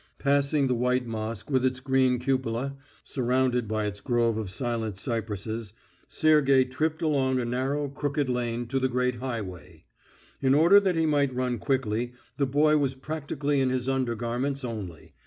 Passing the white mosque with its green cupola, surrounded by its grove of silent cypresses, Sergey tripped along a narrow, crooked lane to the great highway. In order that he might run quickly the boy was practically in his undergarments only.